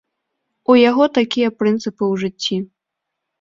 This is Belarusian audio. У яго такія прынцыпы ў жыцці.